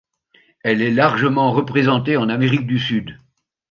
Elle est largement représentée en Amérique du Sud.